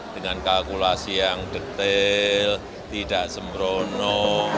dengan kalkulasi yang detail tidak sembrono